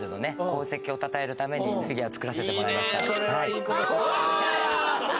功績をたたえるためにフィギュアを作らせてもらいましたいいね